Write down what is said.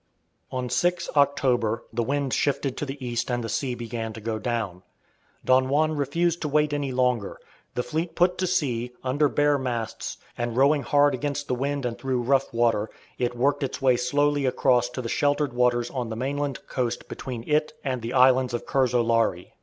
On 6 October the wind shifted to the east and the sea began to go down. Don Juan refused to wait any longer. The fleet put to sea, under bare masts, and, rowing hard against the wind and through rough water, it worked its way slowly across to the sheltered waters on the mainland coast between it and the islands of Curzolari.